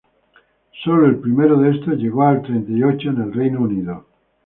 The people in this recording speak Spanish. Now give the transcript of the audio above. Sólo el primero de estos, llegó al treinta y ocho en el Reino Unido.